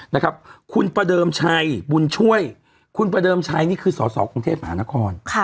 นะครับคุณประเดิมชัยบุญช่วยคุณประเดิมชัยนี่คือสอสอกรุงเทพมหานคร